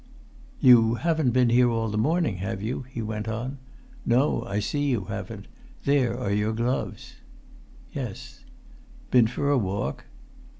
"You haven't been here all the morning, have you?" he went on. "No, I see you haven't; there are your gloves." "Yes." "Been for a walk?"